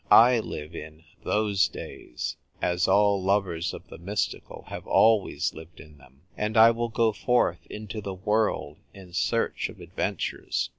I live in " those days," as all lovers oi the mystical have always lived in them. And I will go forth into the world in search of adventures.